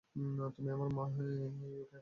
তুমি আমার মা ইওখেভেদ এর ছেলে।